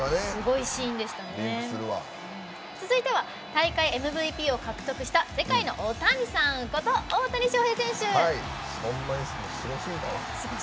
続いては大会ＭＶＰを獲得した世界のオオタニサンこと大谷翔平選手。